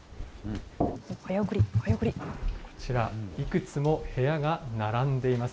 こちら、いくつも部屋が並んでいます。